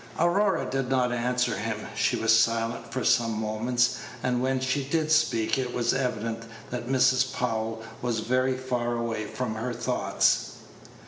Aurora did not answer him. She was silent for some moments, and when she did speak it was evident that Mrs. Powell was very far away from her thoughts.